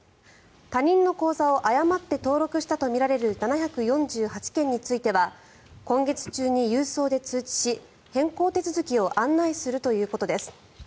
他人の口座を誤って登録したとみられる７４８件については今月中に郵送で通知し変更手続きを案内するということです。